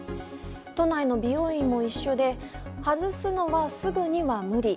都内の美容院も一緒で外すのはすぐには無理。